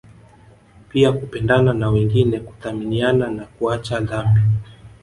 Pia kupendana na wengine kuthaminiana na kuacha dhambi